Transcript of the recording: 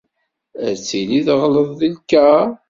Ad tili teɣleḍ deg lkaṛ.